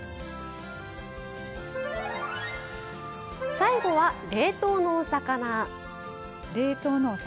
最後は冷凍のお魚。